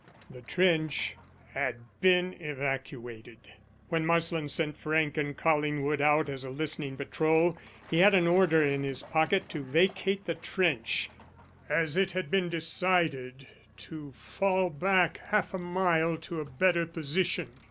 The trench had been evacuated. When Marsland sent Frank and Collingwood out as a listening patrol he had an order in his pocket to vacate the trench, as it had been decided to fall back half a mile to a better position.